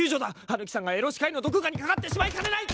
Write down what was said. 羽貫さんがエロ歯科医の毒牙にかかってしまいかねない！